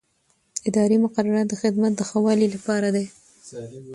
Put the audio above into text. اداري مقررات د خدمت د ښه والي لپاره دي.